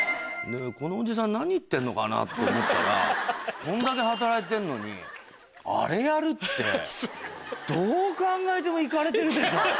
このおじさん。って思ったらこんだけ働いてんのにあれやるってどう考えてもイカレてるでしょ。